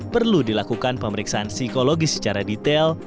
perlu dilakukan pemeriksaan psikologis secara detail